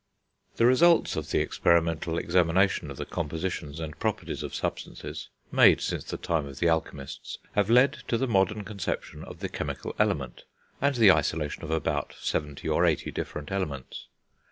The results of the experimental examination of the compositions and properties of substances, made since the time of the alchemists, have led to the modern conception of the chemical element, and the isolation of about seventy or eighty different elements.